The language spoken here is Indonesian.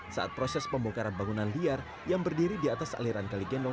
saat proses pembongkaran bangunan liar yang berdiri di atas aliran kaligendong